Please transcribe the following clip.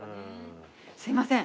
すいません。